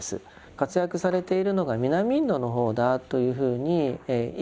活躍されているのが南インドの方だというふうにいわれています。